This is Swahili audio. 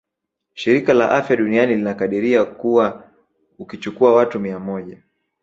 Shirika la afya duniani linakadiria kuwa ukichukua watu mia moja